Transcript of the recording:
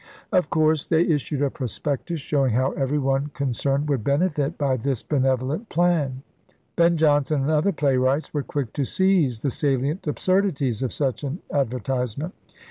Of course they issued a prospectus showing how everyone con cerned would benefit by this benevolent plan. 64 ELIZABETHAN SEA DOGS Ben Jonson and other playwrights were quick to seize the salient absurdities of such an advertise ment.